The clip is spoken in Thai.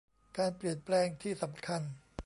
การเปลี่ยนแปลงที่สำคัญ